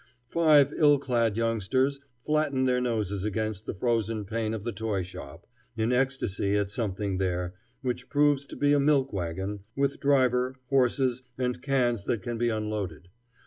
Five ill clad youngsters flatten their noses against the frozen pane of the toy shop, in ecstasy at something there, which proves to be a milk wagon, with driver, horses, and cans that can be unloaded.